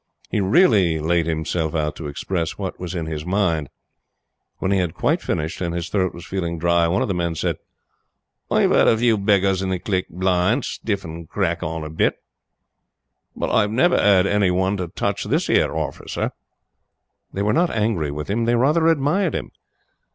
He really laid himself out to express what was in his mind. When he had quite finished and his throat was feeling dry, one of the men said: "I've 'eard a few beggars in the click blind, stiff and crack on a bit; but I've never 'eard any one to touch this 'ere 'orficer.'" They were not angry with him. They rather admired him.